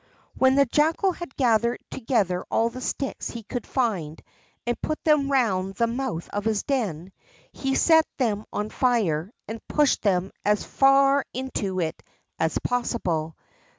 When the Jackal had gathered together all the sticks he could find and put them round the mouth of his den, he set them on fire and pushed them as far into it as possible.